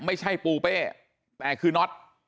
ไม่ใช่ปูเป้แต่คือน็อต